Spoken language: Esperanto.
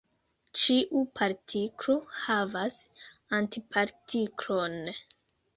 Ĉiu partiklo havas antipartiklon.